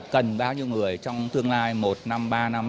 cần bao nhiêu người trong tương lai một năm ba năm